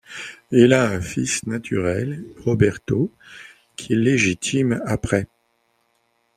Il a un fils naturel, Roberto, qu'il légitime après.